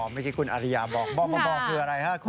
ไม่คิดคุณอริยาบอกบ่อบ่อบ่อคืออะไรฮะคุณ